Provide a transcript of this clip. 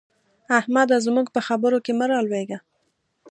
احمده! زموږ په خبرو کې مه رالوېږه.